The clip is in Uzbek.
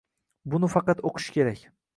Buni faqat o`qish kerak